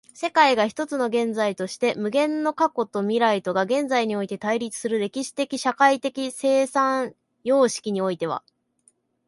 世界が一つの現在として、無限の過去と未来とが現在において対立する歴史的社会的生産様式においては、